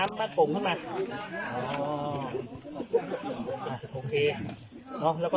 กินน้ำก่อนจะกินอันที่ไหนเนี่ย